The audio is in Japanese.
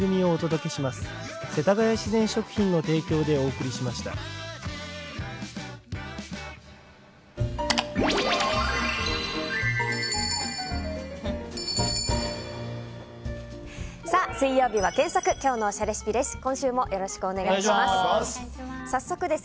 きょうのおしゃレシピです。